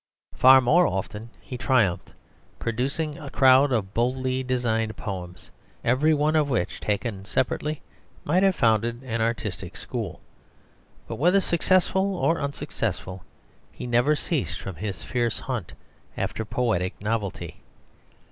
Far more often he triumphed, producing a crowd of boldly designed poems, every one of which taken separately might have founded an artistic school. But whether successful or unsuccessful, he never ceased from his fierce hunt after poetic novelty.